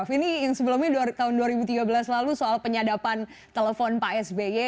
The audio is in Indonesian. ini yang sebelumnya tahun dua ribu tiga belas lalu soal penyadapan telepon pak sby